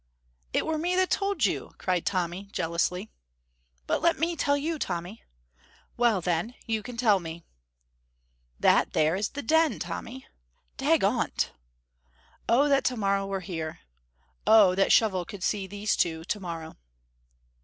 "It were me what told you," cried Tommy, jealously. "But let me tell you, Tommy!" "Well, then, you can tell me." "That there is the Den, Tommy!" "Dagont!" Oh, that to morrow were here! Oh, that Shovel could see these two to morrow!